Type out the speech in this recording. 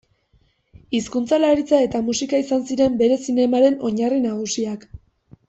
Hizkuntzalaritza eta musika izan ziren bere zinemaren oinarri nagusiak.